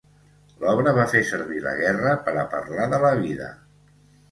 L'obra fa servir la guerra per a parlar de la vida.